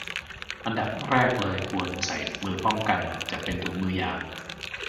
อันดับแรกเลยควรใส่ถุงมือป้องกัน จะเป็นถุงมือยาง